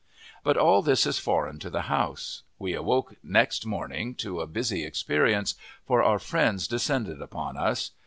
But all this is foreign to the House. We awoke next morning to a busy experience, for our friends descended upon us.